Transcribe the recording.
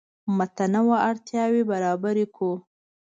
متنوع اړتیاوې برابر کړو.